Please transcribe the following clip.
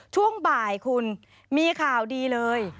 ช่วงบ่ายคุณมีข่าวดีเลย